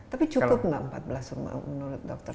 tapi cukup gak empat belas rumah sakit menurut dokter